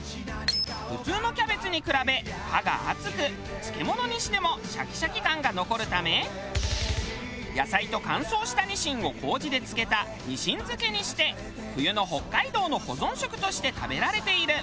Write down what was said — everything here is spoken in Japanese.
普通のキャベツに比べ葉が厚く漬物にしてもシャキシャキ感が残るため野菜と乾燥したニシンを麹で漬けたニシン漬けにして冬の北海道の保存食として食べられている。